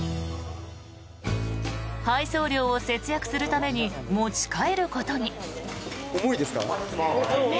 配送料を節約するために持ち帰ることに。